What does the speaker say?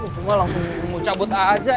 gue mah langsung mau cabut aja